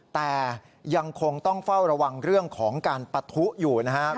แต่ยังคงต้องเฝ้าระวังเรื่องของการปะทุอยู่นะครับ